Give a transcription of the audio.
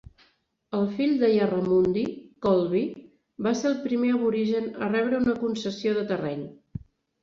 El fill de Yarramundi, Colbee, va ser el primer aborigen a rebre una concessió de terreny.